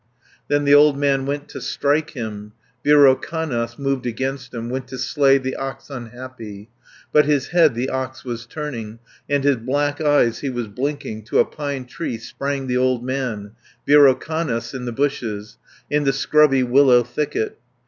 Then the old man went to strike him, Virokannas moved against him, Went to slay the ox unhappy; But his head the ox was turning, And his black eyes he was blinking. To a pine tree sprang the old man, 70 Virokannas in the bushes, In the scrubby willow thicket.